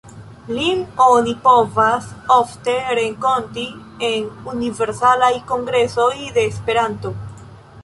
Lin oni povas ofte renkonti en Universalaj Kongresoj de Esperanto.